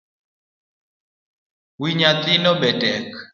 Wi nyathino betek